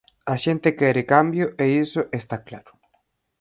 A xente quere cambio e iso está claro.